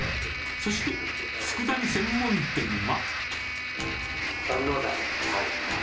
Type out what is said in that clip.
そしてつくだ煮専門店は。